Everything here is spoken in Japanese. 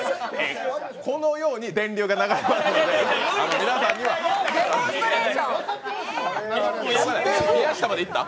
このように電流が流れますので、皆さんには宮下までいった？